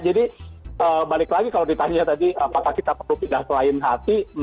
jadi balik lagi kalau ditanya tadi apakah kita perlu pindah ke lain hati